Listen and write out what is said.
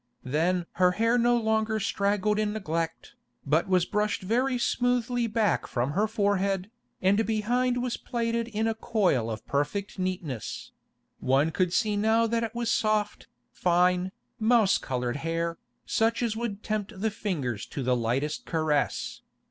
Then her hair no longer straggled in neglect, but was brushed very smoothly back from her forehead, and behind was plaited in a coil of perfect neatness; one could see now that it was soft, fine, mouse coloured hair, such as would tempt the fingers to the lightest caress.